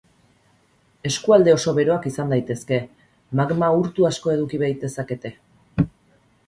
Eskualde oso beroak izan daitezke, magma urtu asko eduki baitezakete.